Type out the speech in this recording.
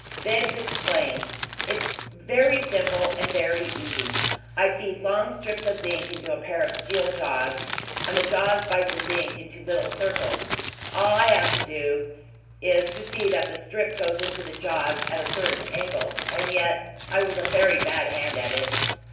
Bibbs explained. "It's very simple and very easy. I feed long strips of zinc into a pair of steel jaws, and the jaws bite the zinc into little circles. All I have to do is to see that the strip goes into the jaws at a certain angle and yet I was a very bad hand at it."